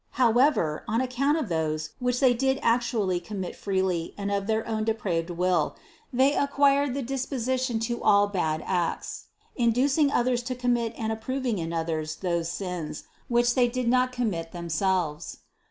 However, on account of those which they did actually commit freely and of their own depraved will, they ac quired the disposition to all bad acts, inducing others to commit and approving in others those sins, which they could not commit themselves.